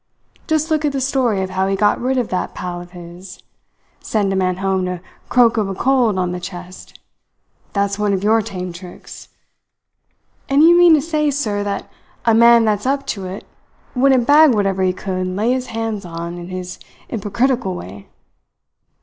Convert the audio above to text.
Just look at the story of how he got rid of that pal of his! Send a man home to croak of a cold on the chest that's one of your tame tricks. And d'you mean to say, sir, that a man that's up to it wouldn't bag whatever he could lay his hands in his 'yporcritical way?